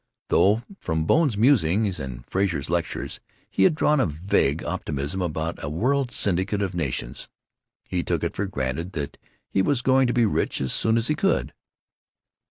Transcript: Though from Bone's musings and Frazer's lectures he had drawn a vague optimism about a world syndicate of nations, he took it for granted that he was going to be rich as soon as he could.